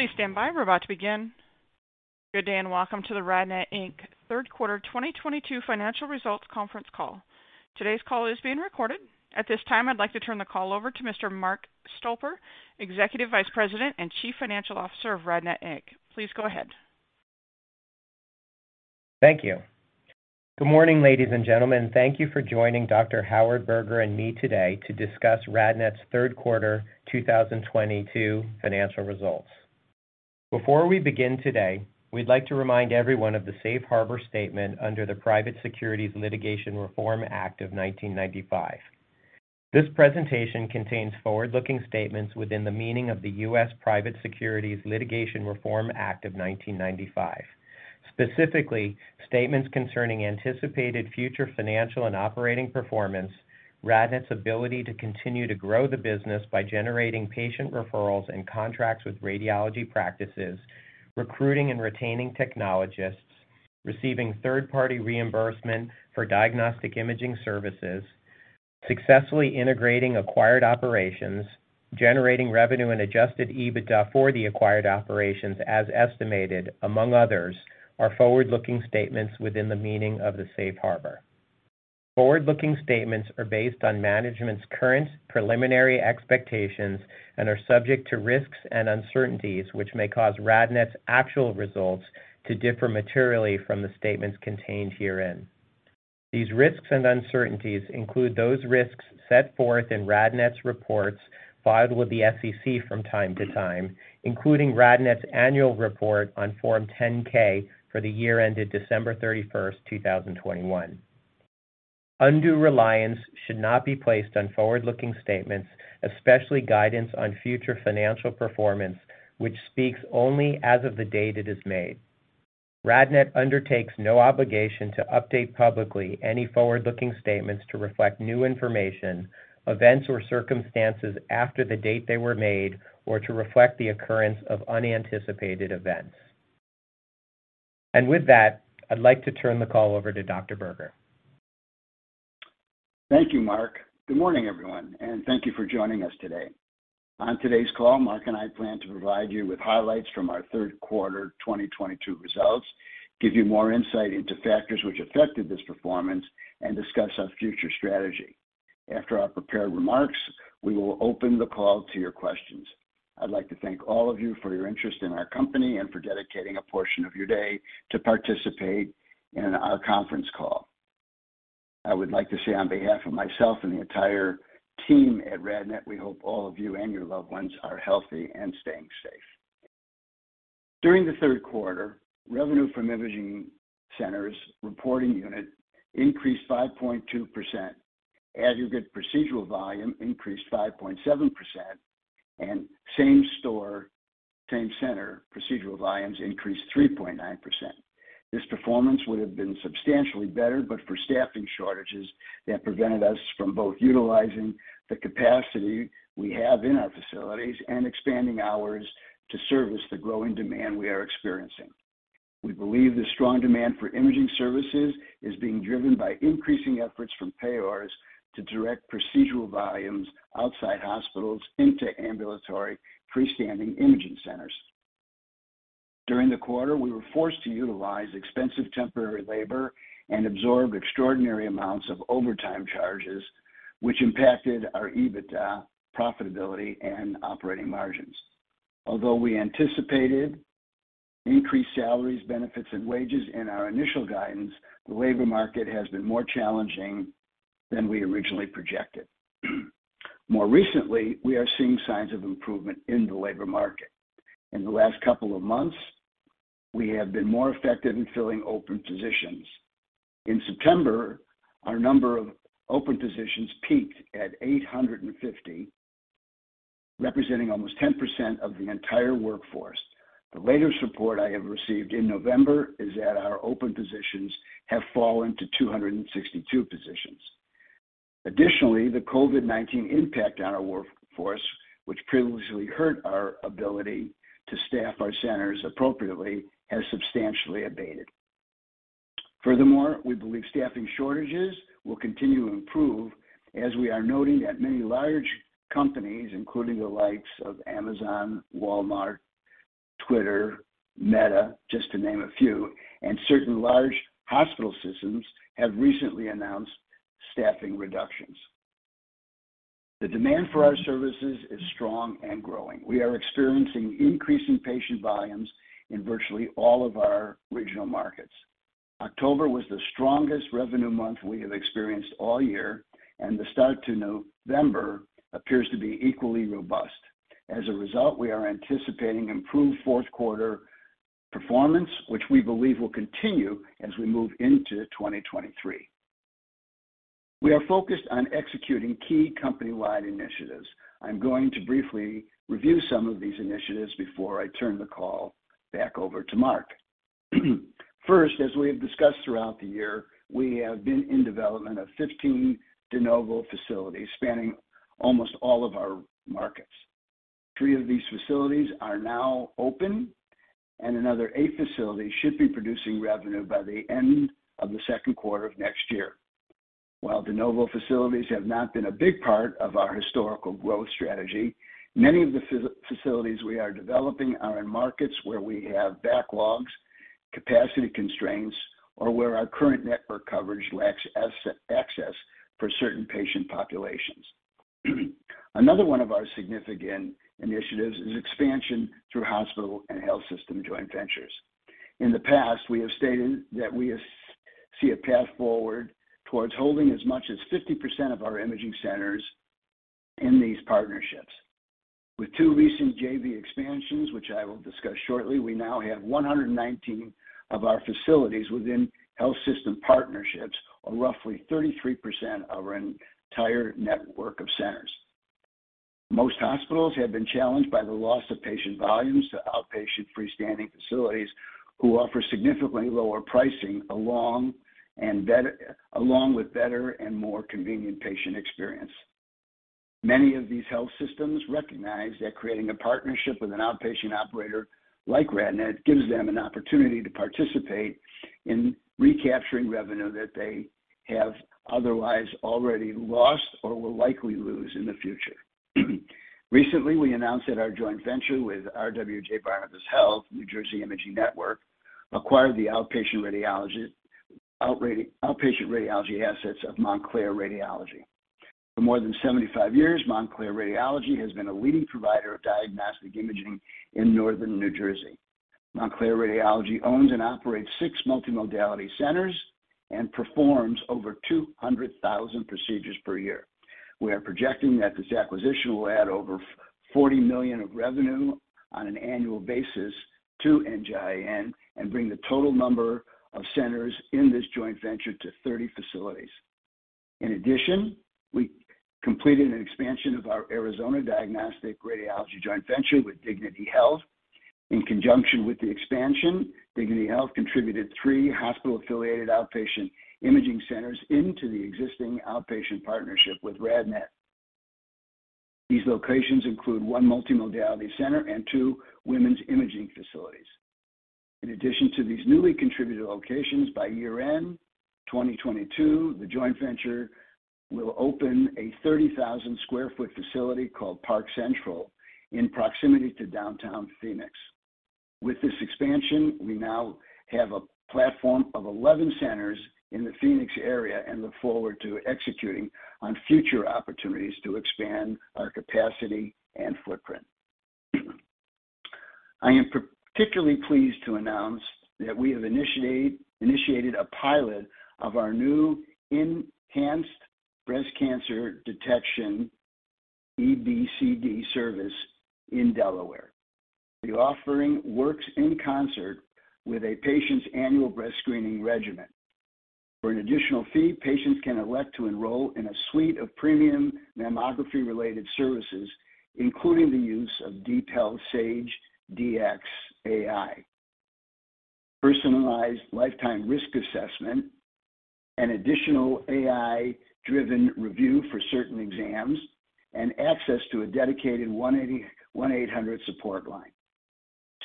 Please stand by. We're about to begin. Good day, and welcome to the RadNet, Inc. third quarter 2022 financial results conference call. Today's call is being recorded. At this time, I'd like to turn the call over to Mr. Mark Stolper, Executive Vice President and Chief Financial Officer of RadNet, Inc. Please go ahead. Thank you. Good morning, ladies and gentlemen. Thank you for joining Dr. Howard Berger and me today to discuss RadNet's third quarter 2022 financial results. Before we begin today, we'd like to remind everyone of the safe harbor statement under the Private Securities Litigation Reform Act of 1995. This presentation contains forward-looking statements within the meaning of the U.S. Private Securities Litigation Reform Act of 1995. Specifically, statements concerning anticipated future financial and operating performance, RadNet's ability to continue to grow the business by generating patient referrals and contracts with radiology practices, recruiting and retaining technologists, receiving third-party reimbursement for diagnostic imaging services, successfully integrating acquired operations, generating revenue and adjusted EBITDA for the acquired operations as estimated, among others, are forward-looking statements within the meaning of the safe harbor. Forward-looking statements are based on management's current preliminary expectations and are subject to risks and uncertainties which may cause RadNet's actual results to differ materially from the statements contained herein. These risks and uncertainties include those risks set forth in RadNet's reports filed with the SEC from time to time, including RadNet's annual report on Form 10-K for the year ended December 31st, 2021. Undue reliance should not be placed on forward-looking statements, especially guidance on future financial performance, which speaks only as of the date it is made. RadNet undertakes no obligation to update publicly any forward-looking statements to reflect new information, events or circumstances after the date they were made, or to reflect the occurrence of unanticipated events. With that, I'd like to turn the call over to Dr. Berger. Thank you, Mark. Good morning, everyone, and thank you for joining us today. On today's call, Mark and I plan to provide you with highlights from our third quarter 2022 results, give you more insight into factors which affected this performance, and discuss our future strategy. After our prepared remarks, we will open the call to your questions. I'd like to thank all of you for your interest in our company and for dedicating a portion of your day to participate in our conference call. I would like to say on behalf of myself and the entire team at RadNet, we hope all of you and your loved ones are healthy and staying safe. During the third quarter, revenue from imaging centers reporting unit increased 5.2%. Aggregate procedural volume increased 5.7%, and same store, same center procedural volumes increased 3.9%. This performance would have been substantially better but for staffing shortages that prevented us from both utilizing the capacity we have in our facilities and expanding hours to service the growing demand we are experiencing. We believe the strong demand for imaging services is being driven by increasing efforts from payers to direct procedural volumes outside hospitals into ambulatory freestanding imaging centers. During the quarter, we were forced to utilize expensive temporary labor and absorb extraordinary amounts of overtime charges, which impacted our EBITDA profitability and operating margins. Although we anticipated increased salaries, benefits, and wages in our initial guidance, the labor market has been more challenging than we originally projected. More recently, we are seeing signs of improvement in the labor market. In the last couple of months, we have been more effective in filling open positions. In September, our number of open positions peaked at 850, representing almost 10% of the entire workforce. The latest report I have received in November is that our open positions have fallen to 262 positions. Additionally, the COVID-19 impact on our workforce, which previously hurt our ability to staff our centers appropriately, has substantially abated. Furthermore, we believe staffing shortages will continue to improve as we are noting that many large companies, including the likes of Amazon, Walmart, Twitter, Meta, just to name a few, and certain large hospital systems, have recently announced staffing reductions. The demand for our services is strong and growing. We are experiencing increasing patient volumes in virtually all of our regional markets. October was the strongest revenue month we have experienced all year, and the start to November appears to be equally robust. As a result, we are anticipating improved fourth quarter performance, which we believe will continue as we move into 2023. We are focused on executing key company-wide initiatives. I'm going to briefly review some of these initiatives before I turn the call back over to Mark. First, as we have discussed throughout the year, we have been in development of 15 de novo facilities spanning almost all of our markets. Three of these facilities are now open. Another eight facilities should be producing revenue by the end of the second quarter of next year. While de novo facilities have not been a big part of our historical growth strategy, many of the facilities we are developing are in markets where we have backlogs, capacity constraints, or where our current network coverage lacks access for certain patient populations. Another one of our significant initiatives is expansion through hospital and health system joint ventures. In the past, we have stated that we see a path forward towards holding as much as 50% of our imaging centers in these partnerships. With two recent JV expansions, which I will discuss shortly, we now have 119 of our facilities within health system partnerships or roughly 33% of our entire network of centers. Most hospitals have been challenged by the loss of patient volumes to outpatient freestanding facilities who offer significantly lower pricing along with better and more convenient patient experience. Many of these health systems recognize that creating a partnership with an outpatient operator like RadNet gives them an opportunity to participate in recapturing revenue that they have otherwise already lost or will likely lose in the future. Recently, we announced that our joint venture with RWJBarnabas Health, New Jersey Imaging Network, acquired the outpatient radiology assets of Montclair Radiology. For more than 75 years, Montclair Radiology has been a leading provider of diagnostic imaging in northern New Jersey. Montclair Radiology owns and operates six multimodality centers and performs over 200,000 procedures per year. We are projecting that this acquisition will add over $40 million of revenue on an annual basis to NJIN and bring the total number of centers in this joint venture to 30 facilities. In addition, we completed an expansion of our Arizona Diagnostic Radiology joint venture with Dignity Health. In conjunction with the expansion, Dignity Health contributed three hospital-affiliated outpatient imaging centers into the existing outpatient partnership with RadNet. These locations include one multimodality center and two women's imaging facilities. In addition to these newly contributed locations by year-end, 2022, the joint venture will open a 30,000 sq ft facility called Park Central in proximity to downtown Phoenix. With this expansion, we now have a platform of 11 centers in the Phoenix area and look forward to executing on future opportunities to expand our capacity and footprint. I am particularly pleased to announce that we have initiated a pilot of our new enhanced breast cancer detection EBCD service in Delaware. The offering works in concert with a patient's annual breast screening regimen. For an additional fee, patients can elect to enroll in a suite of premium mammography-related services, including the use of detailed Saige-Dx AI, personalized lifetime risk assessment, an additional AI-driven review for certain exams, and access to a dedicated 1-800 support line.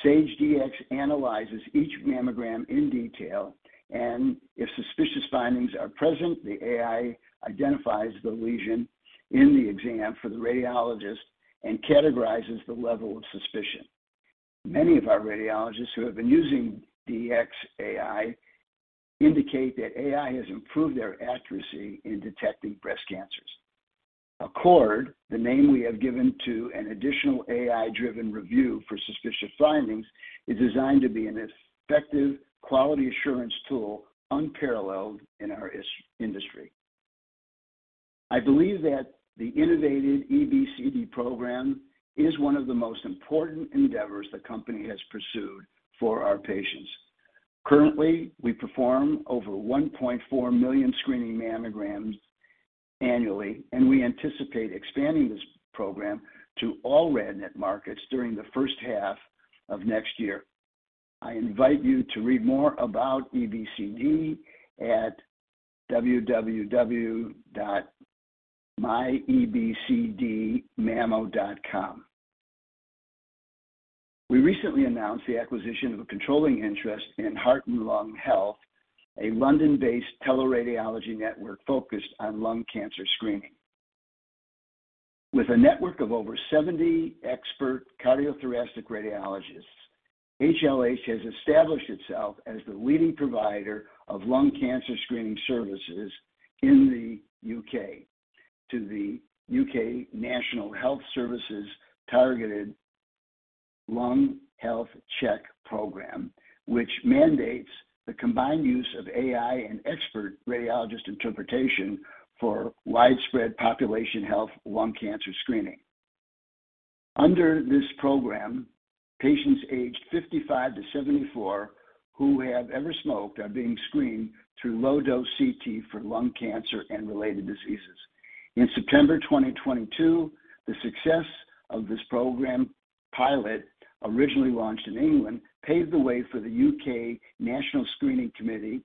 Saige-Dx analyzes each mammogram in detail, and if suspicious findings are present, the AI identifies the lesion in the exam for the radiologist and categorizes the level of suspicion. Many of our radiologists who have been using Saige-Dx AI indicate that AI has improved their accuracy in detecting breast cancers. Accord, the name we have given to an additional AI-driven review for suspicious findings, is designed to be an effective quality assurance tool unparalleled in our industry. I believe that the innovative EBCD program is one of the most important endeavors the company has pursued for our patients. Currently, we perform over 1.4 million screening mammograms annually, and we anticipate expanding this program to all RadNet markets during the first half of next year. I invite you to read more about EBCD at www.myebcdmammo.com. We recently announced the acquisition of a controlling interest in Heart & Lung Health, a London-based teleradiology network focused on lung cancer screening. With a network of over 70 expert cardiothoracic radiologists, HLH has established itself as the leading provider of lung cancer screening services in the U.K. to the U.K. National Health Service's Targeted Lung Health Check program, which mandates the combined use of AI and expert radiologist interpretation for widespread population health lung cancer screening. Under this program, patients aged 55 to 74 who have ever smoked are being screened through low dose CT for lung cancer and related diseases. In September 2022, the success of this program pilot, originally launched in England, paved the way for the U.K. National Screening Committee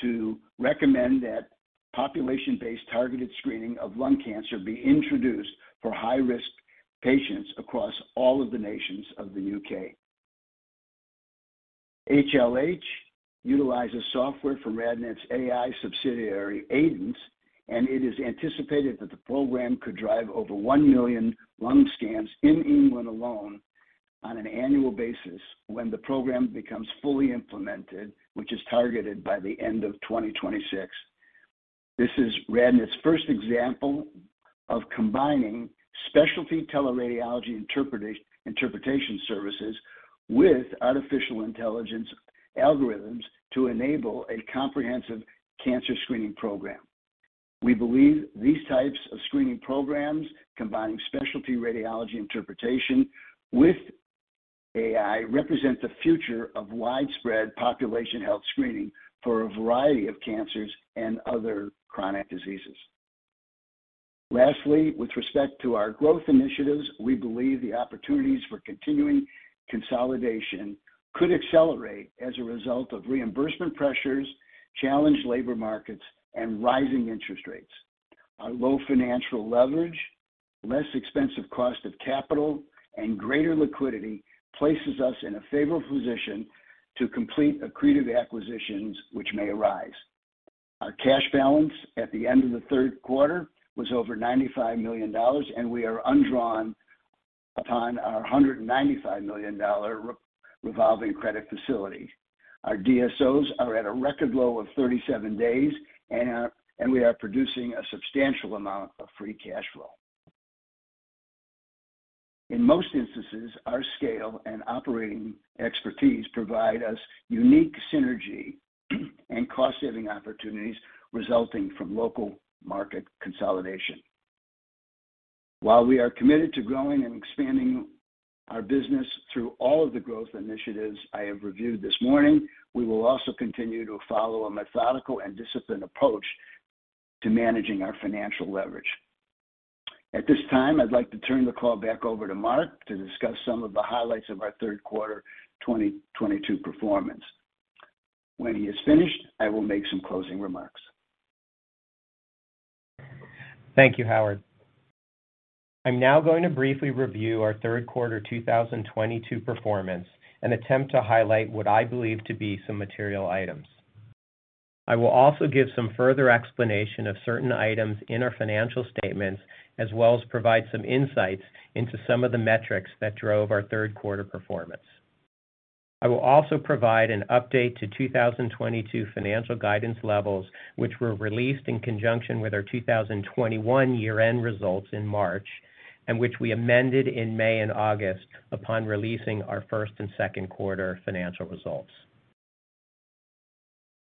to recommend that population-based targeted screening of lung cancer be introduced for high-risk patients across all of the nations of the U.K. HLH utilizes software from RadNet's AI subsidiary, Aidence, and it is anticipated that the program could drive over 1 million lung scans in England alone on an annual basis when the program becomes fully implemented, which is targeted by the end of 2026. This is RadNet's first example of combining specialty teleradiology interpretation services with artificial intelligence algorithms to enable a comprehensive cancer screening program. We believe these types of screening programs, combining specialty radiology interpretation with AI, represent the future of widespread population health screening for a variety of cancers and other chronic diseases. Lastly, with respect to our growth initiatives, we believe the opportunities for continuing consolidation could accelerate as a result of reimbursement pressures, challenged labor markets, and rising interest rates. Our low financial leverage, less expensive cost of capital, and greater liquidity places us in a favorable position to complete accretive acquisitions which may arise. Our cash balance at the end of the third quarter was over $95 million, and we are undrawn upon our $195 million revolving credit facility. Our DSOs are at a record low of 37 days, and we are producing a substantial amount of free cash flow. In most instances, our scale and operating expertise provide us unique synergy and cost-saving opportunities resulting from local market consolidation. While we are committed to growing and expanding our business through all of the growth initiatives I have reviewed this morning, we will also continue to follow a methodical and disciplined approach to managing our financial leverage. At this time, I'd like to turn the call back over to Mark to discuss some of the highlights of our third quarter 2022 performance. When he is finished, I will make some closing remarks. Thank you, Howard. I'm now going to briefly review our third quarter 2022 performance and attempt to highlight what I believe to be some material items. I will also give some further explanation of certain items in our financial statements, as well as provide some insights into some of the metrics that drove our third quarter performance. I will also provide an update to 2022 financial guidance levels, which were released in conjunction with our 2021 year-end results in March, and which we amended in May and August upon releasing our first and second quarter financial results.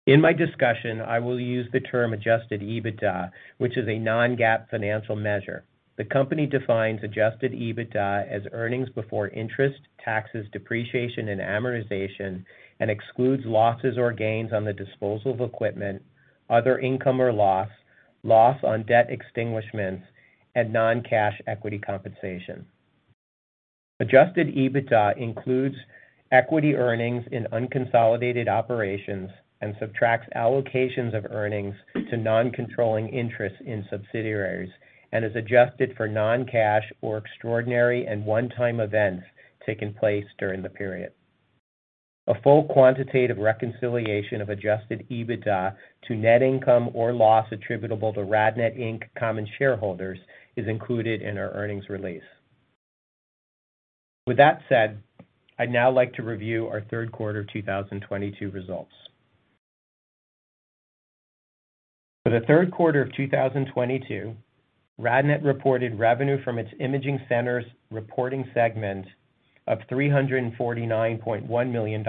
In my discussion, I will use the term adjusted EBITDA, which is a non-GAAP financial measure. The company defines adjusted EBITDA as earnings before interest, taxes, depreciation, and amortization, and excludes losses or gains on the disposal of equipment, other income or loss on debt extinguishments, and non-cash equity compensation. Adjusted EBITDA includes equity earnings in unconsolidated operations and subtracts allocations of earnings to non-controlling interests in subsidiaries and is adjusted for non-cash or extraordinary and one-time events taking place during the period. A full quantitative reconciliation of adjusted EBITDA to net income or loss attributable to RadNet, Inc. common shareholders is included in our earnings release. With that said, I'd now like to review our third quarter 2022 results. For the third quarter of 2022, RadNet reported revenue from its imaging centers reporting segment of $349.1 million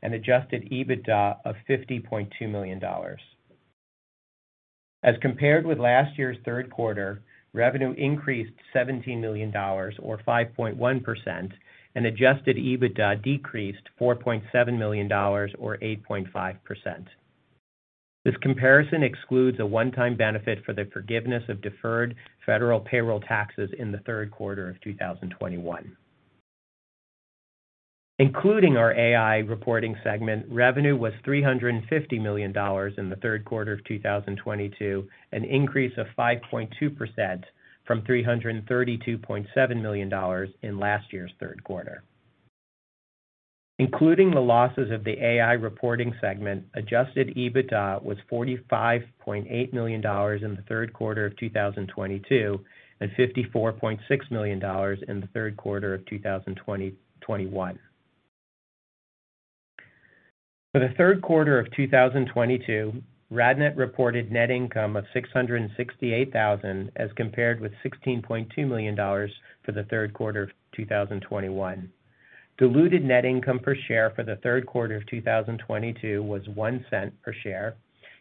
and adjusted EBITDA of $50.2 million. As compared with last year's third quarter, revenue increased $17 million or 5.1%, and adjusted EBITDA decreased $4.7 million or 8.5%. This comparison excludes a one-time benefit for the forgiveness of deferred federal payroll taxes in the third quarter of 2021. Including our AI reporting segment, revenue was $350 million in the third quarter of 2022, an increase of 5.2% from $332.7 million in last year's third quarter. Including the losses of the AI reporting segment, adjusted EBITDA was $45.8 million in the third quarter of 2022 and $54.6 million in the third quarter of 2021. For the third quarter of 2022, RadNet reported net income of $668,000 as compared with $16.2 million for the third quarter of 2021. Diluted net income per share for the third quarter of 2022 was $0.01 per share,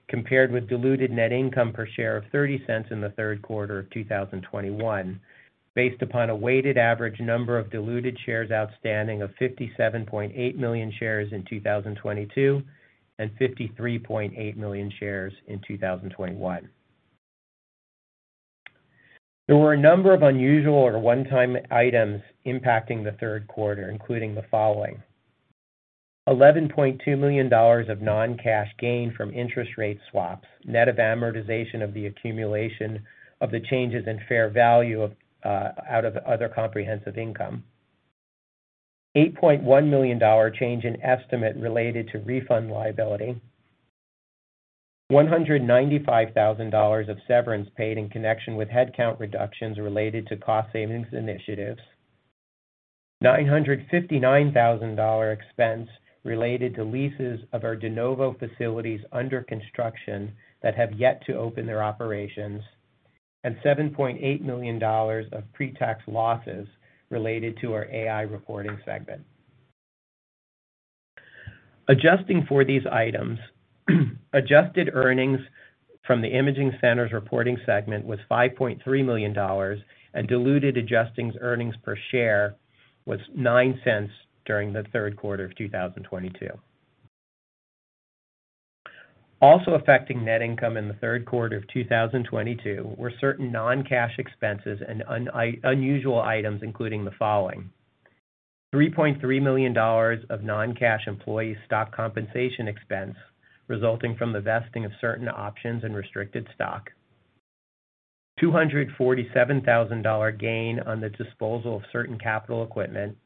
compared with diluted net income per share of $0.30 in the third quarter of 2021, based upon a weighted average number of diluted shares outstanding of $57.8 million shares in 2022 and $53.8 million shares in 2021. There were a number of unusual or one-time items impacting the third quarter, including the following. $11.2 million of non-cash gain from interest rate swaps, net of amortization of the accumulation of the changes in fair value of, out of other comprehensive income. $8.1 million change in estimate related to refund liability. $195,000 of severance paid in connection with headcount reductions related to cost savings initiatives. $959,000 expense related to leases of our de novo facilities under construction that have yet to open their operations, and $7.8 million of pre-tax losses related to our AI reporting segment. Adjusting for these items, adjusted earnings from the imaging centers reporting segment was $5.3 million and diluted adjusted earnings per share was $0.09 during the third quarter of 2022. Also affecting net income in the third quarter of 2022 were certain non-cash expenses and unusual items, including the following. $3.3 million of non-cash employee stock compensation expense resulting from the vesting of certain options and restricted stock. $247,000 gain on the disposal of certain capital equipment.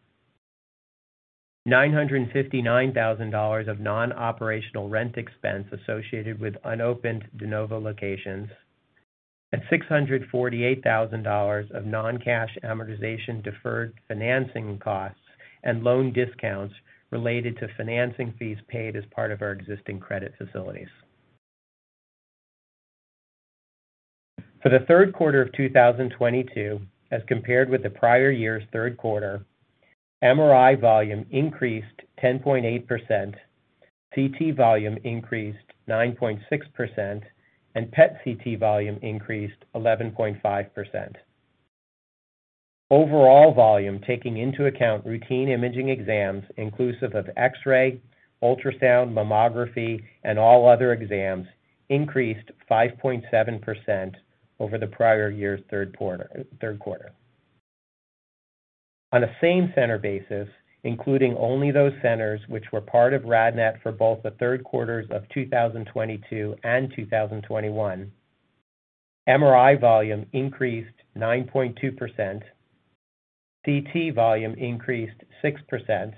$959,000 of non-operational rent expense associated with unopened de novo locations. $648,000 of non-cash amortization deferred financing costs and loan discounts related to financing fees paid as part of our existing credit facilities. For the third quarter of 2022, as compared with the prior year's third quarter, MRI volume increased 10.8%, CT volume increased 9.6%, and PET CT volume increased 11.5%. Overall volume, taking into account routine imaging exams inclusive of X-ray, ultrasound, mammography and all other exams increased 5.7% over the prior year's third quarter. On a same-center basis, including only those centers which were part of RadNet for both the third quarters of 2022 and 2021, MRI volume increased 9.2%, CT volume increased 6%,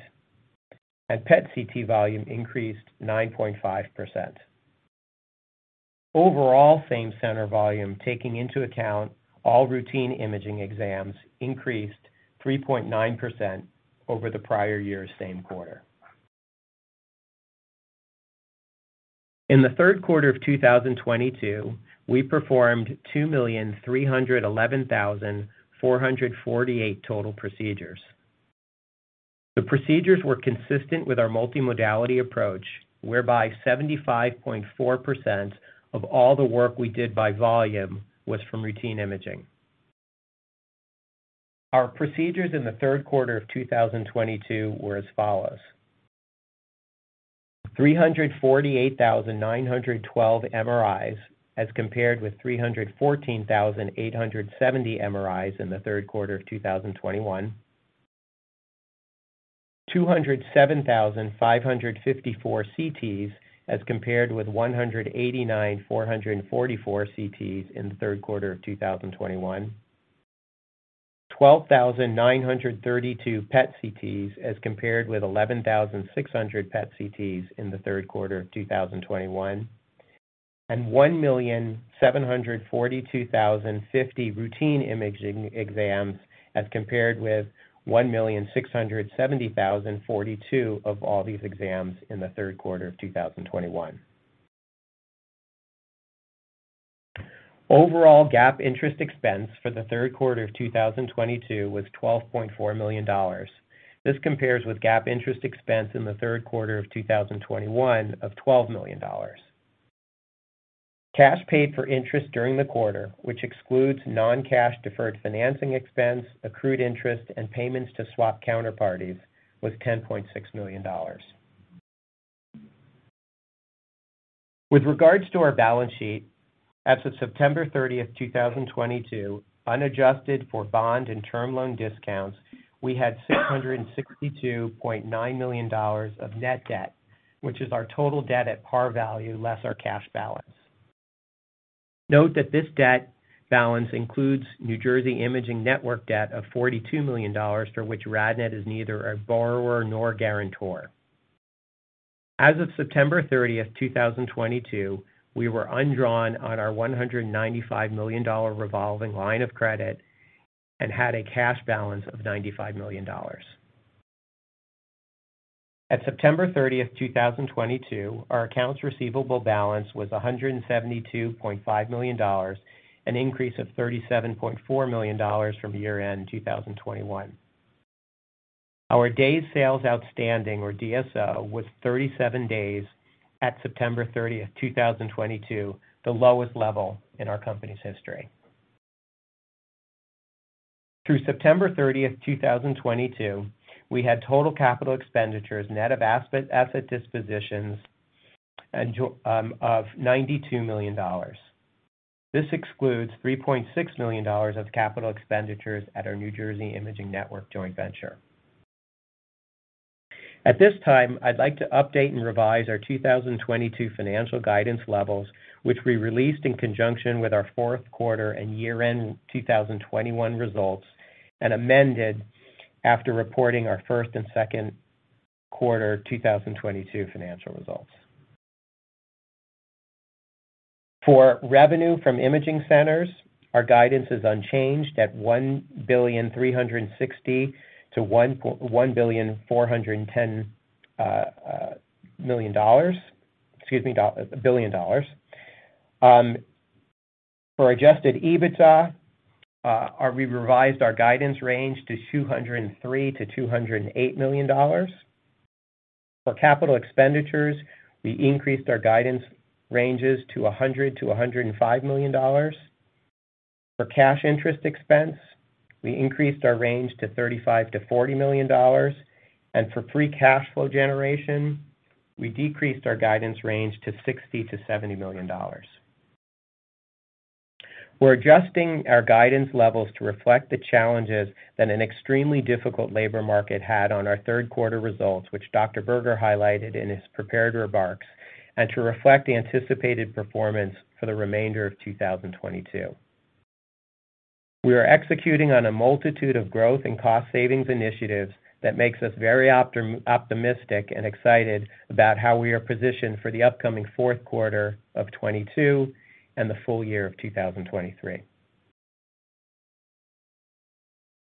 and PET CT volume increased 9.5%. Overall same-center volume, taking into account all routine imaging exams, increased 3.9% over the prior year's same quarter. In the third quarter of 2022, we performed 2,311,448 total procedures. The procedures were consistent with our multimodality approach, whereby 75.4% of all the work we did by volume was from routine imaging. Our procedures in the third quarter of 2022 were as follows: 348,912 MRIs as compared with 314,870 MRIs in the third quarter of 2021. 207,554 CTs as compared with 189,444 CTs in the third quarter of 2021. 12,932 PET CTs as compared with 11,600 PET CTs in the third quarter of 2021. 1,742,050 routine imaging exams as compared with 1,670,042 of all these exams in the third quarter of 2021. Overall, GAAP interest expense for the third quarter of 2022 was $12.4 million. This compares with GAAP interest expense in the third quarter of 2021 of $12 million. Cash paid for interest during the quarter, which excludes non-cash deferred financing expense, accrued interest, and payments to swap counterparties, was $10.6 million. With regards to our balance sheet, as of September 30th, 2022, unadjusted for bond and term loan discounts, we had $662.9 million of net debt, which is our total debt at par value less our cash balance. Note that this debt balance includes New Jersey Imaging Network debt of $42 million, for which RadNet is neither a borrower nor guarantor. As of September 30th, 2022, we were undrawn on our $195 million revolving line of credit and had a cash balance of $95 million. At September 30th, 2022, our accounts receivable balance was $172.5 million, an increase of $37.4 million from year-end 2021. Our days sales outstanding or DSO was 37 days at September 30th, 2022, the lowest level in our company's history. Through September 30th, 2022, we had total capital expenditures net of asset dispositions of $92 million. This excludes $3.6 million of capital expenditures at our New Jersey Imaging Network joint venture. At this time, I'd like to update and revise our 2022 financial guidance levels, which we released in conjunction with our fourth quarter and year-end 2021 results, and amended after reporting our first and second quarter 2022 financial results. For revenue from imaging centers, our guidance is unchanged at $1.36 billion-$1.41 billion. Excuse me, $1 billion. For adjusted EBITDA, we revised our guidance range to $203 million-$208 million. For capital expenditures, we increased our guidance ranges to $100 million-$105 million. For cash interest expense, we increased our range to $35 million-$40 million. For free cash flow generation, we decreased our guidance range to $60 million-$70 million. We're adjusting our guidance levels to reflect the challenges that an extremely difficult labor market had on our third quarter results, which Dr. Berger highlighted in his prepared remarks, and to reflect the anticipated performance for the remainder of 2022. We are executing on a multitude of growth and cost savings initiatives that makes us very optimistic and excited about how we are positioned for the upcoming fourth quarter of 2022 and the full year of 2023.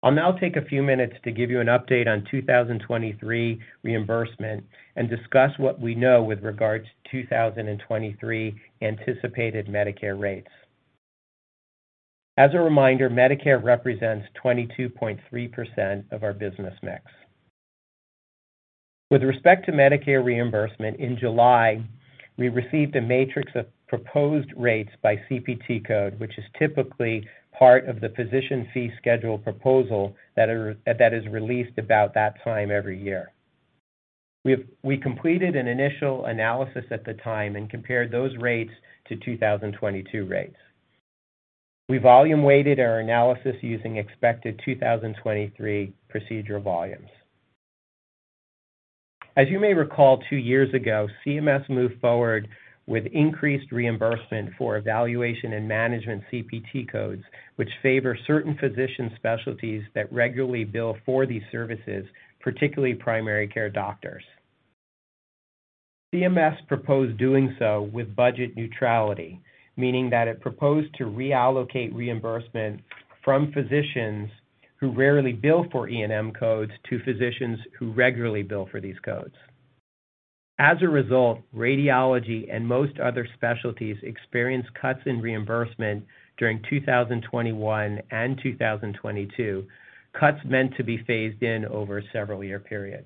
I'll now take a few minutes to give you an update on 2023 reimbursement and discuss what we know with regards to 2023 anticipated Medicare rates. As a reminder, Medicare represents 22.3% of our business mix. With respect to Medicare reimbursement, in July, we received a matrix of proposed rates by CPT code, which is typically part of the physician fee schedule proposal that is released about that time every year. We completed an initial analysis at the time and compared those rates to 2022 rates. We volume weighted our analysis using expected 2023 procedure volumes. As you may recall, two years ago, CMS moved forward with increased reimbursement for evaluation and management CPT codes, which favor certain physician specialties that regularly bill for these services, particularly primary care doctors. CMS proposed doing so with budget neutrality, meaning that it proposed to reallocate reimbursement from physicians who rarely bill for E&M codes to physicians who regularly bill for these codes. As a result, radiology and most other specialties experienced cuts in reimbursement during 2021 and 2022, cuts meant to be phased in over a several-year period.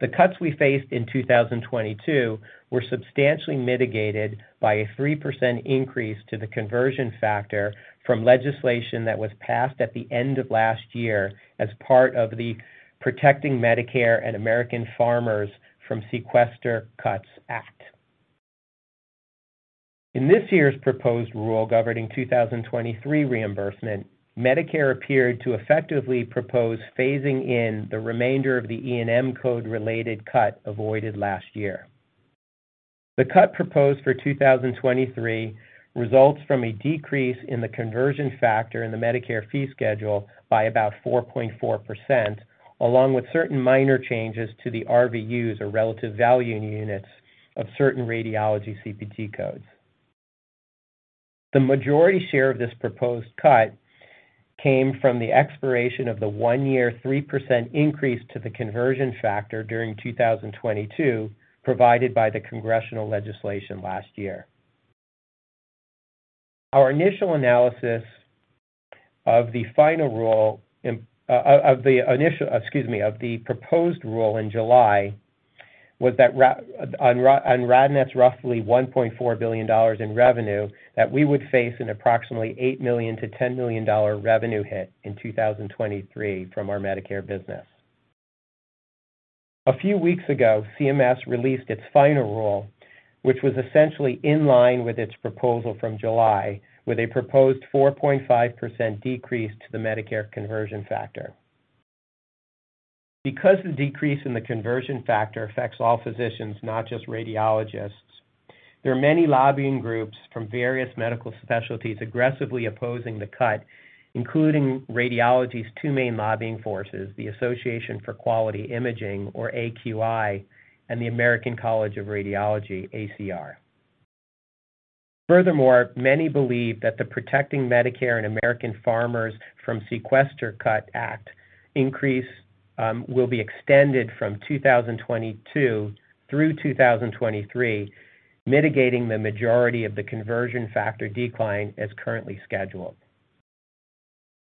The cuts we faced in 2022 were substantially mitigated by a 3% increase to the conversion factor from legislation that was passed at the end of last year as part of the Protecting Medicare and American Farmers from Sequester Cuts Act. In this year's proposed rule governing 2023 reimbursement, Medicare appeared to effectively propose phasing in the remainder of the E&M code-related cut avoided last year. The cut proposed for 2023 results from a decrease in the conversion factor in the Medicare fee schedule by about 4.4%, along with certain minor changes to the RVUs or relative value units of certain radiology CPT codes. The majority share of this proposed cut came from the expiration of the one-year 3% increase to the conversion factor during 2022 provided by the congressional legislation last year. Our initial analysis of the proposed rule in July was that on RadNet's roughly $1.4 billion in revenue that we would face an approximately $8 million-$10 million revenue hit in 2023 from our Medicare business. A few weeks ago, CMS released its final rule, which was essentially in line with its proposal from July, with a proposed 4.5% decrease to the Medicare conversion factor. Because the decrease in the conversion factor affects all physicians, not just radiologists, there are many lobbying groups from various medical specialties aggressively opposing the cut, including radiology's two main lobbying forces, the Association for Quality Imaging or AQI, and the American College of Radiology, ACR. Furthermore, many believe that the Protecting Medicare and American Farmers from Sequester Cuts Act increase will be extended from 2022 through 2023, mitigating the majority of the conversion factor decline as currently scheduled.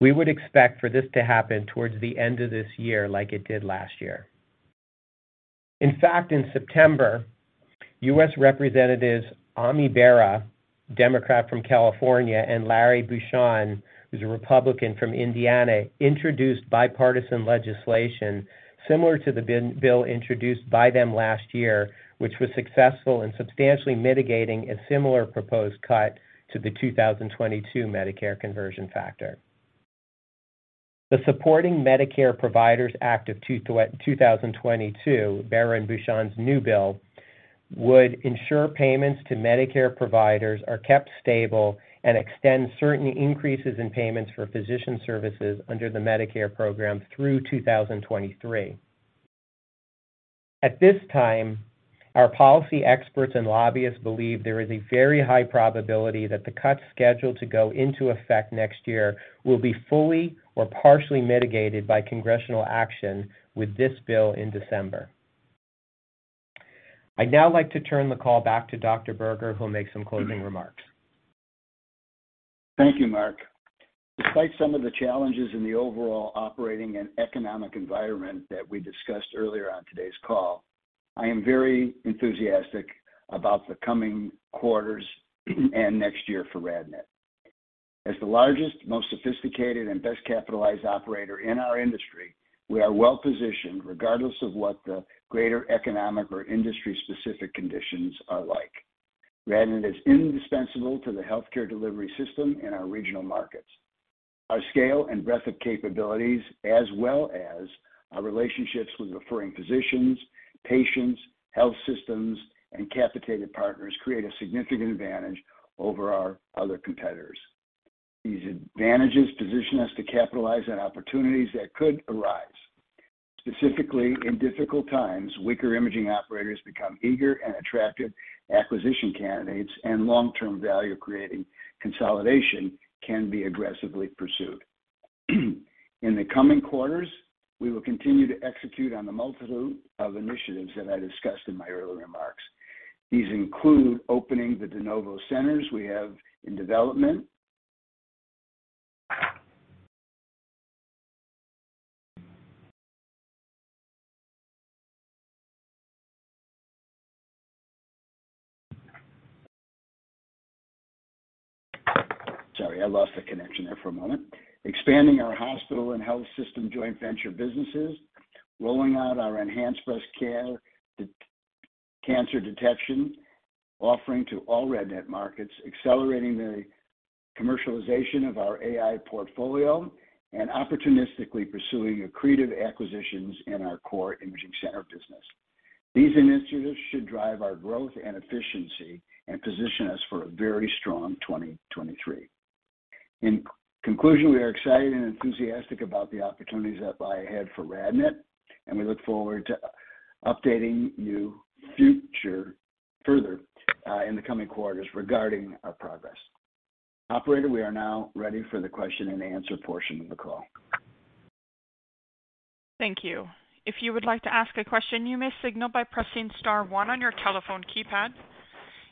We would expect for this to happen towards the end of this year like it did last year. In fact, in September, U.S. Representatives Ami Bera, Democrat from California, and Larry Bucshon, who's a Republican from Indiana, introduced bipartisan legislation similar to the bill introduced by them last year, which was successful in substantially mitigating a similar proposed cut to the 2022 Medicare conversion factor. The Supporting Medicare Providers Act of 2022, Bera and Bucshon's new bill, would ensure payments to Medicare providers are kept stable and extend certain increases in payments for physician services under the Medicare program through 2023. At this time, our policy experts and lobbyists believe there is a very high probability that the cuts scheduled to go into effect next year will be fully or partially mitigated by congressional action with this bill in December. I'd now like to turn the call back to Dr. Berger, who will make some closing remarks. Thank you, Mark. Despite some of the challenges in the overall operating and economic environment that we discussed earlier on today's call, I am very enthusiastic about the coming quarters and next year for RadNet. As the largest, most sophisticated, and best capitalized operator in our industry, we are well positioned regardless of what the greater economic or industry-specific conditions are like. RadNet is indispensable to the healthcare delivery system in our regional markets. Our scale and breadth of capabilities, as well as our relationships with referring physicians, patients, health systems, and capitated partners, create a significant advantage over our other competitors. These advantages position us to capitalize on opportunities that could arise. Specifically, in difficult times, weaker imaging operators become eager and attractive acquisition candidates, and long-term value-creating consolidation can be aggressively pursued. In the coming quarters, we will continue to execute on the multitude of initiatives that I discussed in my earlier remarks. These include opening the de novo centers we have in development. Sorry, I lost the connection there for a moment. Expanding our hospital and health system joint venture businesses, rolling out our enhanced breast cancer detection offering to all RadNet markets, accelerating the commercialization of our AI portfolio, and opportunistically pursuing accretive acquisitions in our core imaging center business. These initiatives should drive our growth and efficiency and position us for a very strong 2023. In conclusion, we are excited and enthusiastic about the opportunities that lie ahead for RadNet, and we look forward to updating you further in the coming quarters regarding our progress. Operator, we are now ready for the question and answer portion of the call. Thank you. If you would like to ask a question, you may signal by pressing star one on your telephone keypad.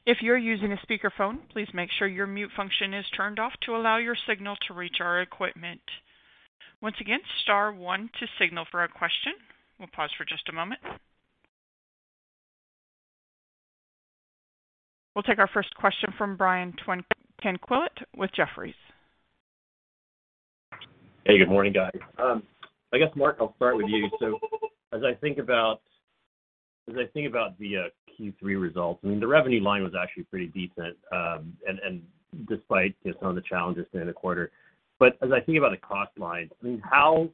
If you're using a speakerphone, please make sure your mute function is turned off to allow your signal to reach our equipment. Once again, star one to signal for a question. We'll pause for just a moment. We'll take our first question from Brian Tanquilut with Jefferies. Hey, good morning, guys. I guess, Mark, I'll start with you. As I think about the Q3 results, I mean, the revenue line was actually pretty decent, and despite just some of the challenges in the quarter. As I think about the cost line, I mean, how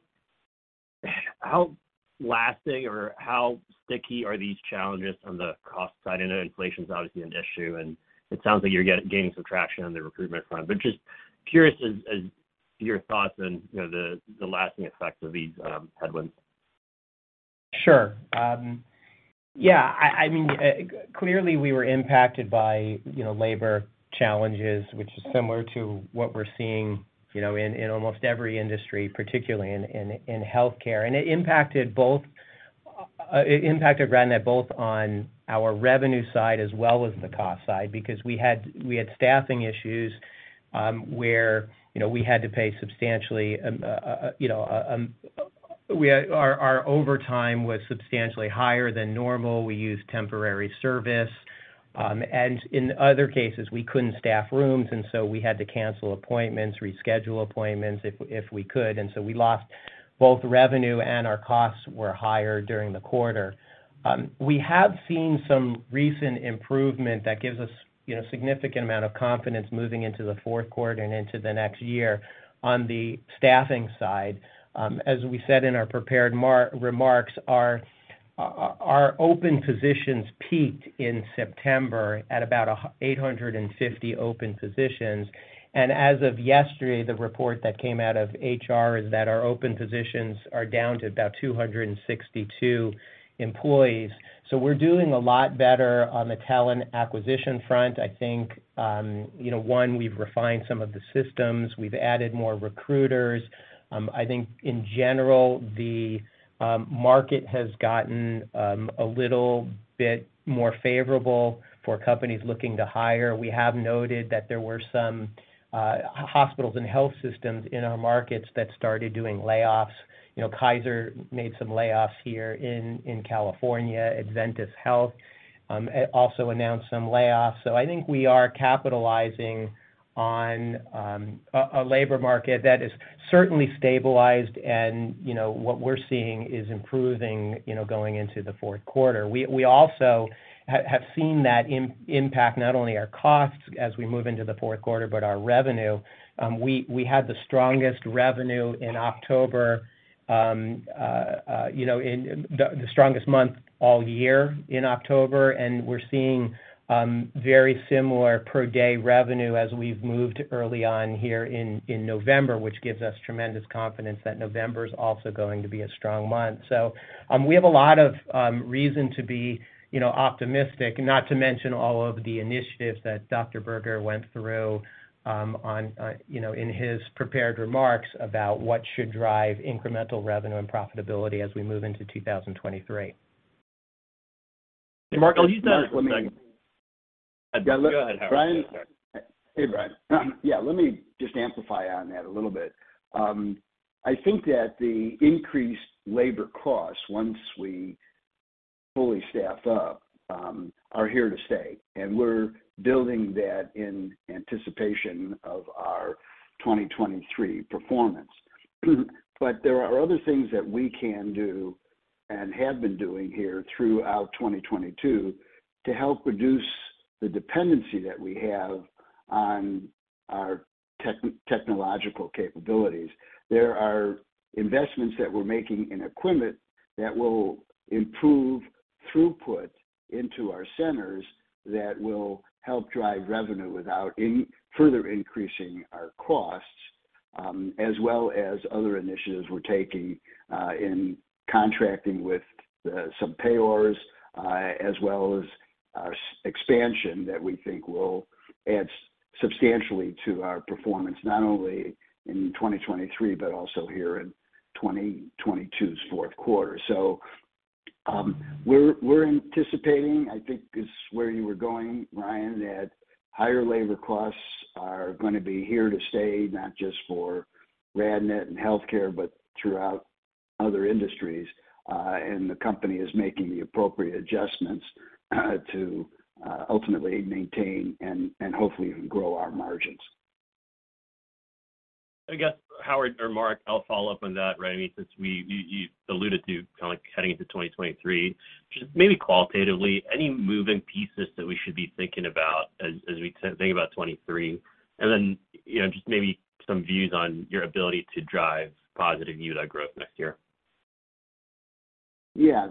lasting or how sticky are these challenges on the cost side? I know inflation is obviously an issue, and it sounds like you're gaining some traction on the recruitment front. Just curious as to your thoughts on, you know, the lasting effects of these headwinds. Sure. Yeah, I mean, clearly we were impacted by, you know, labor challenges, which is similar to what we're seeing, you know, in healthcare. It impacted RadNet both on our revenue side as well as the cost side, because we had staffing issues, where, you know, we had to pay substantially. Our overtime was substantially higher than normal. We used temporary service. In other cases, we couldn't staff rooms, and so we had to cancel appointments, reschedule appointments if we could. We lost both revenue, and our costs were higher during the quarter. We have seen some recent improvement that gives us, you know, significant amount of confidence moving into the fourth quarter and into the next year on the staffing side. As we said in our prepared remarks, our open positions peaked in September at about 850 open positions. As of yesterday, the report that came out of HR is that our open positions are down to about 262 employees. We're doing a lot better on the talent acquisition front. I think, you know, one, we've refined some of the systems. We've added more recruiters. I think in general, the market has gotten a little bit more favorable for companies looking to hire. We have noted that there were some hospitals and health systems in our markets that started doing layoffs. You know, Kaiser made some layoffs here in California. AdventHealth also announced some layoffs. I think we are capitalizing on a labor market that is certainly stabilized and, you know, what we're seeing is improving, you know, going into the fourth quarter. We also have seen that impact not only on our costs as we move into the fourth quarter, but our revenue. We had the strongest revenue in October, the strongest month all year in October, and we're seeing very similar per-day revenue as we've moved early on here in November, which gives us tremendous confidence that November is also going to be a strong month. We have a lot of reason to be, you know, optimistic, not to mention all of the initiatives that Dr. Berger went through on, you know, in his prepared remarks about what should drive incremental revenue and profitability as we move into 2023. Mark, let me- Oh, he's done. Yeah. Look, Brian. Go ahead, Howard. Yeah, sorry. Hey, Brian. Yeah, let me just amplify on that a little bit. I think that the increased labor costs, once we fully staff up, are here to stay. We're building that in anticipation of our 2023 performance. There are other things that we can do and have been doing here throughout 2022 to help reduce the dependency that we have on our technological capabilities. There are investments that we're making in equipment that will improve throughput into our centers that will help drive revenue without any further increasing our costs, as well as other initiatives we're taking in contracting with some payers, as well as our expansion that we think will add substantially to our performance, not only in 2023, but also here in 2022's fourth quarter. We're anticipating, I think is where you were going, Brian, that higher labor costs are gonna be here to stay, not just for RadNet and healthcare, but throughout other industries. The company is making the appropriate adjustments to ultimately maintain and hopefully even grow our margins. I guess, Howard or Mark, I'll follow up on that. Right. I mean, since you alluded to kind of heading into 2023, just maybe qualitatively, any moving pieces that we should be thinking about as we think about 2023? Then, you know, just maybe some views on your ability to drive positive EBITDA growth next year. Yeah,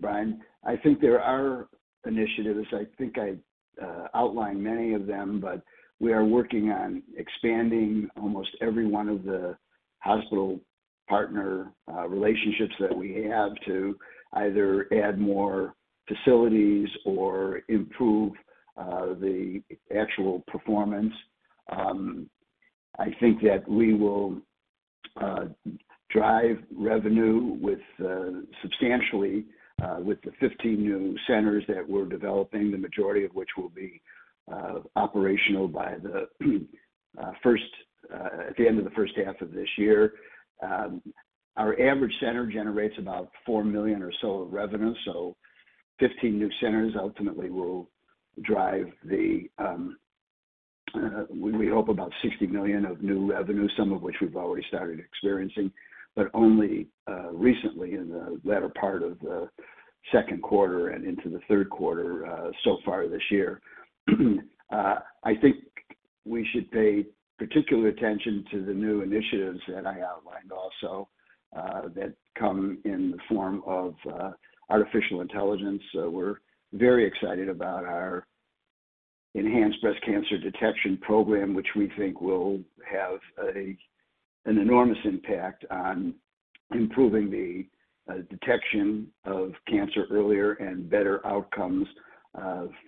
Brian. I think there are initiatives. I think I outlined many of them, but we are working on expanding almost every one of the hospital partner relationships that we have to either add more facilities or improve the actual performance. I think that we will drive revenue substantially with the 15 new centers that we're developing, the majority of which will be operational by the end of the first half of this year. Our average center generates about $4 million or so of revenue, so 15 new centers ultimately will drive, we hope, about $60 million of new revenue, some of which we've already started experiencing, but only recently in the latter part of the second quarter and into the third quarter so far this year. I think we should pay particular attention to the new initiatives that I outlined also, that come in the form of artificial intelligence. We're very excited about our enhanced breast cancer detection program, which we think will have an enormous impact on improving the detection of cancer earlier and better outcomes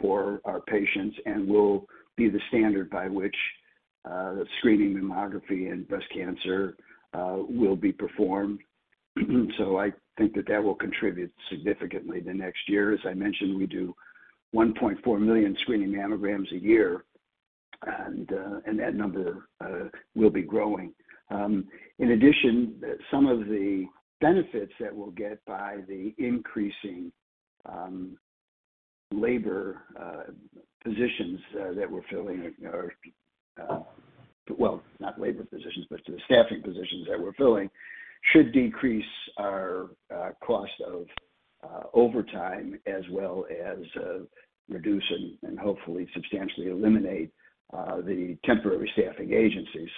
for our patients and will be the standard by which screening mammography and breast cancer will be performed. I think that will contribute significantly next year. As I mentioned, we do 1.4 million screening mammograms a year, and that number will be growing. In addition, some of the benefits that we'll get by the increasing labor positions that we're filling are... Well, not labor positions, but to the staffing positions that we're filling should decrease our cost of overtime as well as reduce and hopefully substantially eliminate the temporary staffing agency.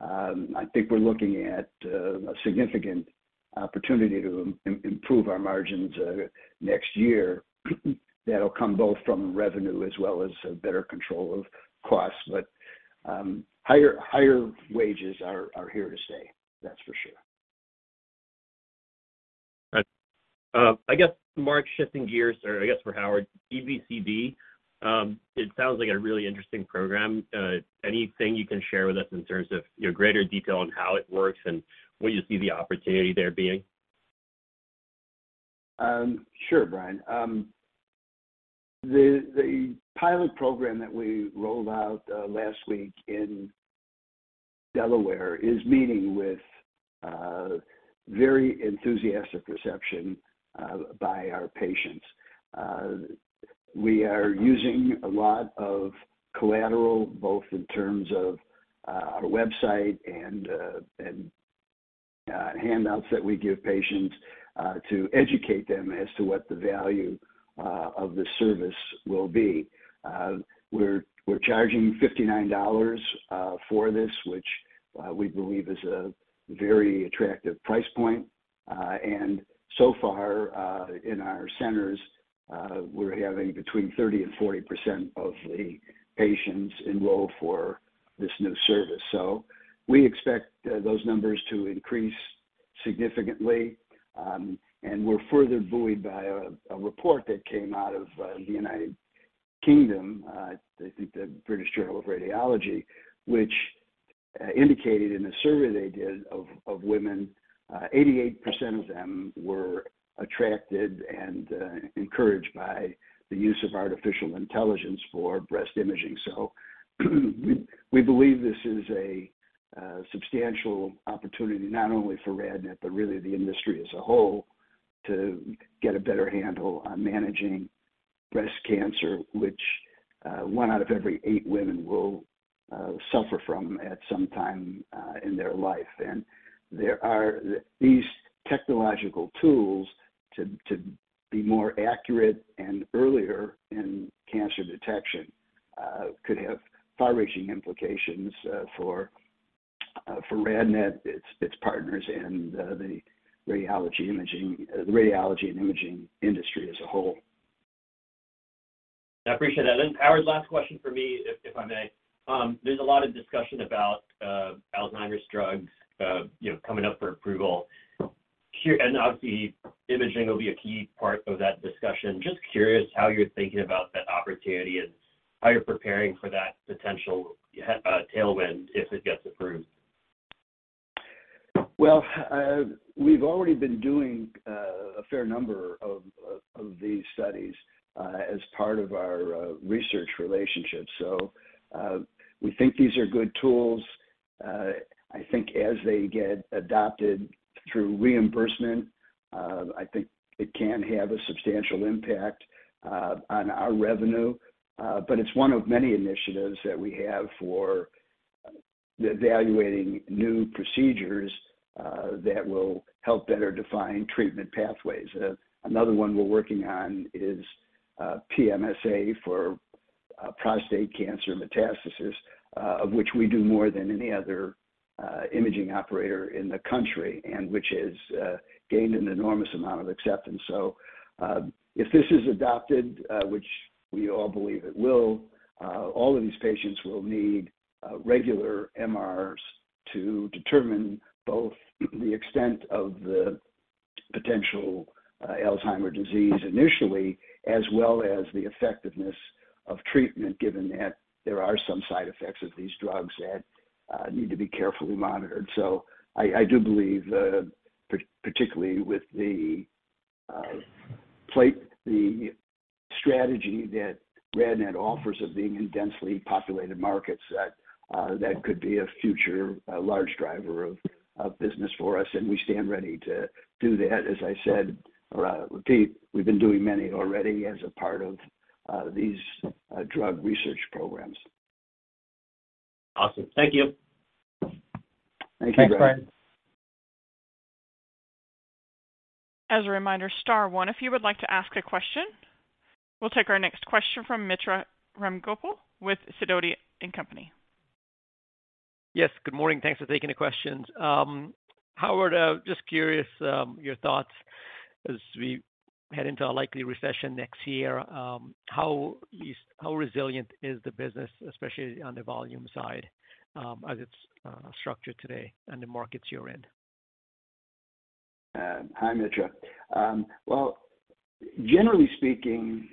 I think we're looking at a significant opportunity to improve our margins next year that'll come both from revenue as well as better control of costs. Higher wages are here to stay, that's for sure. Right. I guess, Mark, shifting gears or I guess for Howard, EBCD, it sounds like a really interesting program. Anything you can share with us in terms of, you know, greater detail on how it works and where you see the opportunity there being? Sure, Brian. The pilot program that we rolled out last week in Delaware is meeting with very enthusiastic reception by our patients. We are using a lot of collateral, both in terms of our website and handouts that we give patients to educate them as to what the value of the service will be. We're charging $59 for this, which we believe is a very attractive price point. So far in our centers, we're having between 30% and 40% of the patients enroll for this new service. We expect those numbers to increase significantly. We're further buoyed by a report that came out of the United Kingdom, I think the British Journal of Radiology, which indicated in a survey they did of women, 88% of them were attracted and encouraged by the use of artificial intelligence for breast imaging. We believe this is a substantial opportunity not only for RadNet, but really the industry as a whole, to get a better handle on managing breast cancer, which one out of every eight women will suffer from at some time in their life. There are these technological tools to be more accurate and earlier in cancer detection could have far-reaching implications for RadNet, its partners and the radiology and imaging industry as a whole. I appreciate that. Howard, last question from me, if I may. There's a lot of discussion about Alzheimer's drugs, you know, coming up for approval. Obviously, imaging will be a key part of that discussion. Just curious how you're thinking about that opportunity and how you're preparing for that potential tailwind if it gets approved. We've already been doing a fair number of these studies as part of our research relationships. We think these are good tools. I think as they get adopted through reimbursement, I think it can have a substantial impact on our revenue. It's one of many initiatives that we have for evaluating new procedures that will help better define treatment pathways. Another one we're working on is PSMA for prostate cancer metastasis, of which we do more than any other imaging operator in the country, and which has gained an enormous amount of acceptance. If this is adopted, which we all believe it will, all of these patients will need regular MRs to determine both the extent of the potential Alzheimer's disease initially, as well as the effectiveness of treatment, given that there are some side effects of these drugs that need to be carefully monitored. I do believe particularly with the platform the strategy that RadNet offers of being in densely populated markets, that could be a future large driver of business for us, and we stand ready to do that. As I said, repeat, we've been doing many already as a part of these drug research programs. Awesome. Thank you. Thank you, Brian. Thanks, Brian. As a reminder, star one if you would like to ask a question. We'll take our next question from Mitra Ramgopal with Sidoti & Company. Yes. Good morning. Thanks for taking the questions. Howard, just curious, your thoughts as we head into a likely recession next year, how resilient is the business, especially on the volume side, as it's structured today and the markets you're in? Hi, Mitra. Well, generally speaking,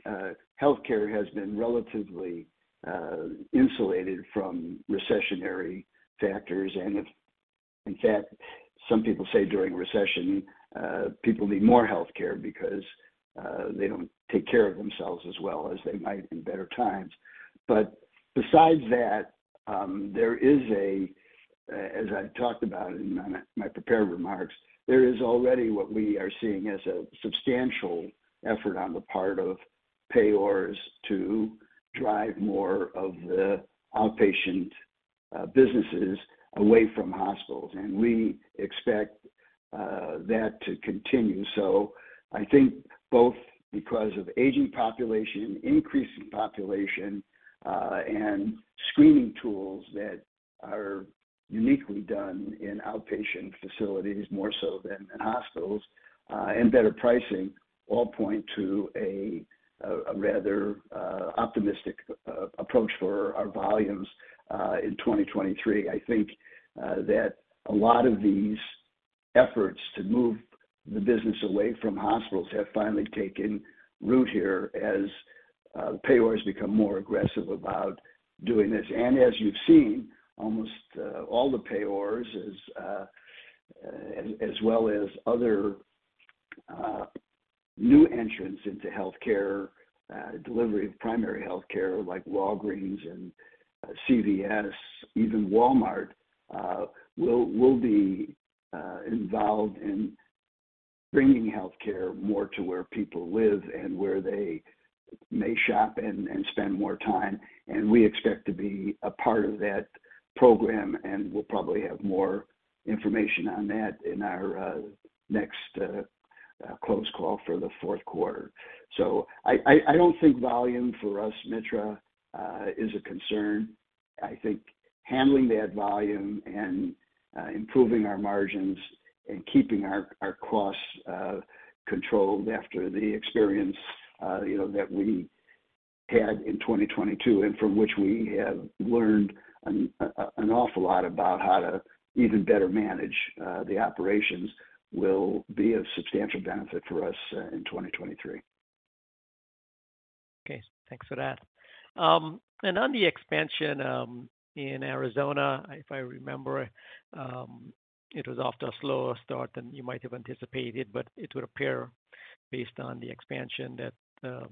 healthcare has been relatively insulated from recessionary factors. In fact, some people say during recession, people need more health care because they don't take care of themselves as well as they might in better times. Besides that, there is, as I talked about in my prepared remarks, there is already what we are seeing as a substantial effort on the part of payers to drive more of the outpatient businesses away from hospitals. We expect that to continue. I think both because of aging population, increasing population, and screening tools that are uniquely done in outpatient facilities, more so than in hospitals, and better pricing all point to a rather optimistic approach for our volumes in 2023. I think that a lot of these efforts to move the business away from hospitals have finally taken root here as the payers become more aggressive about doing this. As you've seen, almost all the payers as well as other new entrants into healthcare delivery of primary healthcare like Walgreens and CVS, even Walmart, will be involved in bringing healthcare more to where people live and where they may shop and spend more time. We expect to be a part of that program, and we'll probably have more information on that in our next earnings call for the fourth quarter. I don't think volume for us, Mitra, is a concern. I think handling that volume and improving our margins and keeping our costs controlled after the experience, you know, that we had in 2022, and from which we have learned an awful lot about how to even better manage the operations will be of substantial benefit for us in 2023. Okay. Thanks for that. On the expansion in Arizona, if I remember, it was off to a slower start than you might have anticipated, but it would appear based on the expansion that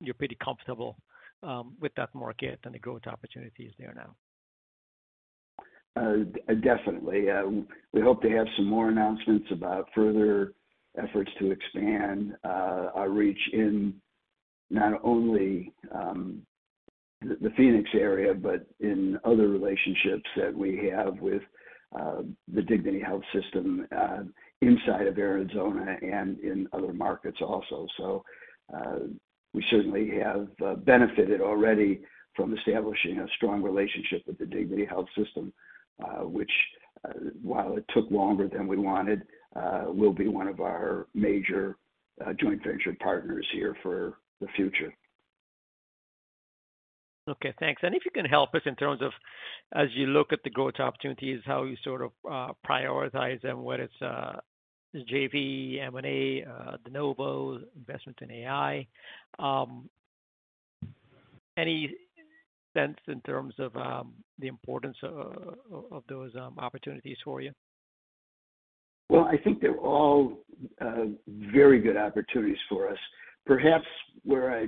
you're pretty comfortable with that market and the growth opportunities there now. Definitely. We hope to have some more announcements about further efforts to expand our reach in not only the Phoenix area, but in other relationships that we have with the Dignity Health system inside of Arizona and in other markets also. We certainly have benefited already from establishing a strong relationship with the Dignity Health system, which, while it took longer than we wanted, will be one of our major joint venture partners here for the future. Okay, thanks. If you can help us in terms of, as you look at the growth opportunities, how you sort of prioritize them, whether it's JV, M&A, de novo, investment in AI. Any sense in terms of the importance of those opportunities for you? Well, I think they're all very good opportunities for us. Perhaps where I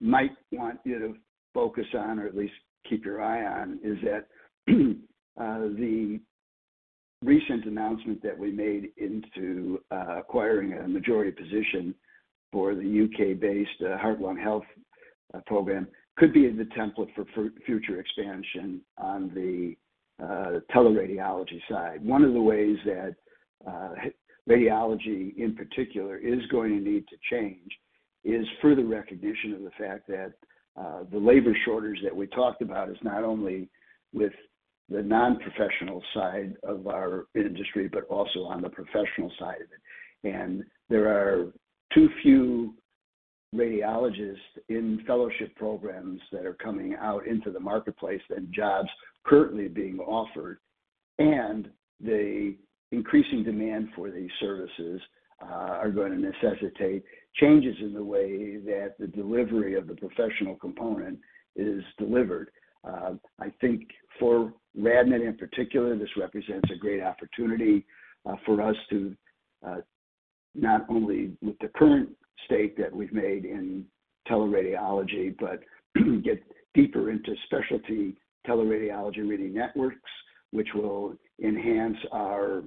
might want you to focus on or at least keep your eye on is that the recent announcement that we made into acquiring a majority position for the U.K.-based Heart & Lung Health program could be the template for future expansion on the teleradiology side. One of the ways that radiology in particular is going to need to change is further recognition of the fact that the labor shortage that we talked about is not only with the non-professional side of our industry but also on the professional side of it. There are too few radiologists in fellowship programs that are coming out into the marketplace than jobs currently being offered. The increasing demand for these services are going to necessitate changes in the way that the delivery of the professional component is delivered. I think for RadNet in particular, this represents a great opportunity for us to not only with the current state that we've made in teleradiology but get deeper into specialty teleradiology reading networks, which will enhance our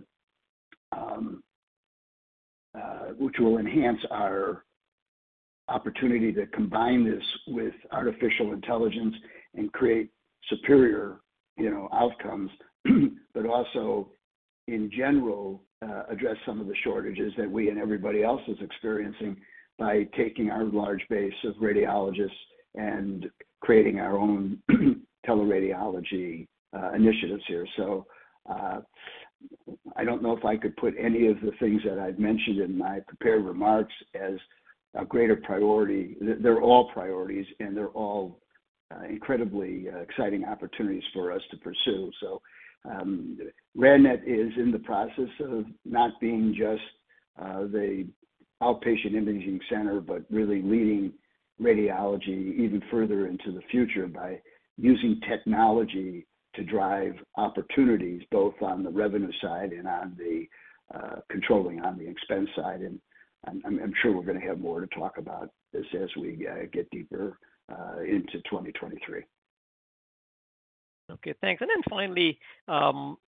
opportunity to combine this with artificial intelligence and create superior, you know, outcomes, but also in general address some of the shortages that we and everybody else is experiencing by taking our large base of radiologists and creating our own teleradiology initiatives here. I don't know if I could put any of the things that I've mentioned in my prepared remarks as a greater priority. They're all priorities, and they're all incredibly exciting opportunities for us to pursue. RadNet is in the process of not being just the outpatient imaging center, but really leading radiology even further into the future by using technology to drive opportunities both on the revenue side and on the controlling on the expense side. I'm sure we're going to have more to talk about this as we get deeper into 2023. Okay, thanks. Finally,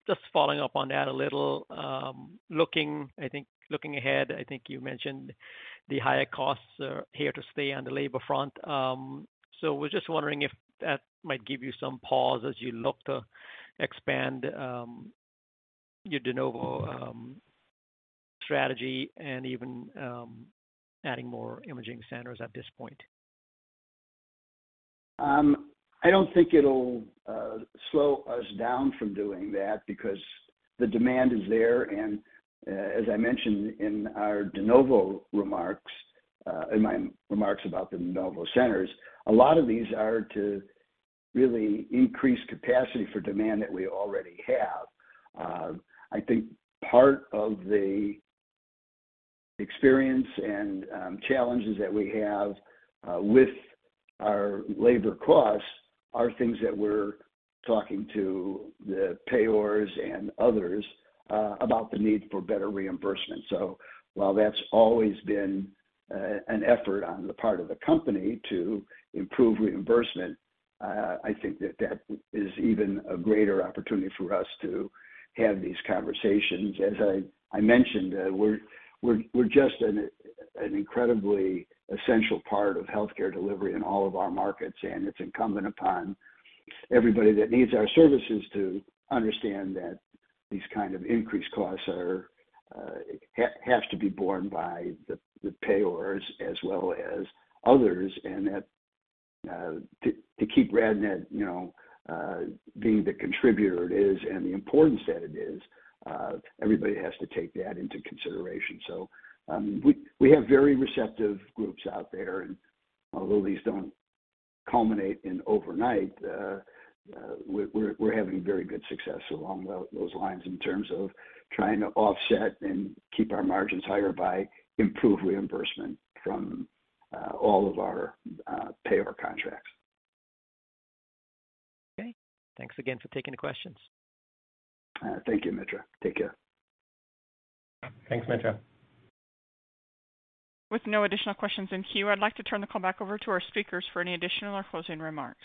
just following up on that a little, looking ahead, I think you mentioned the higher costs are here to stay on the labor front. Was just wondering if that might give you some pause as you look to expand your de novo strategy and even adding more imaging centers at this point. I don't think it'll slow us down from doing that because the demand is there. As I mentioned in our de novo remarks, in my remarks about the de novo centers, a lot of these are to really increase capacity for demand that we already have. I think part of the experience and challenges that we have with our labor costs are things that we're talking to the payers and others about the need for better reimbursement. While that's always been an effort on the part of the company to improve reimbursement, I think that is even a greater opportunity for us to have these conversations. As I mentioned, we're just an incredibly essential part of healthcare delivery in all of our markets, and it's incumbent upon everybody that needs our services to understand that these kind of increased costs are has to be borne by the payers as well as others. That to keep RadNet, you know, being the contributor it is and the importance that it is, everybody has to take that into consideration. We have very receptive groups out there, and although these don't culminate in overnight, we're having very good success along those lines in terms of trying to offset and keep our margins higher by improved reimbursement from all of our payer contracts. Okay. Thanks again for taking the questions. Thank you, Mitra. Take care. Thanks, Mitra. With no additional questions in queue, I'd like to turn the call back over to our speakers for any additional or closing remarks.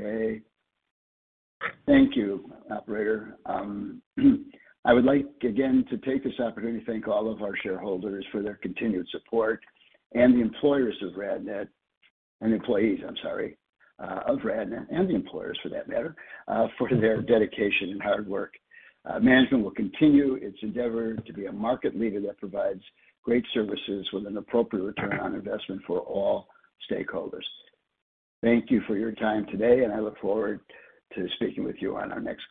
Okay. Thank you, operator. I would like, again, to take this opportunity to thank all of our shareholders for their continued support and the employees of RadNet and the employers for that matter, for their dedication and hard work. Management will continue its endeavor to be a market leader that provides great services with an appropriate return on investment for all stakeholders. Thank you for your time today, and I look forward to speaking with you on our next call.